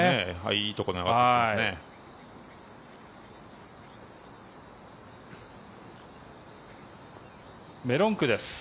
いいところに上がってきていますね。